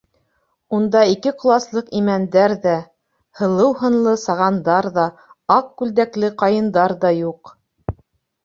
Унда ике ҡоласлыҡ имәндәр ҙә, һылыу һынлы сағандар ҙа, аҡ күлдәкле ҡайындар ҙа юҡ.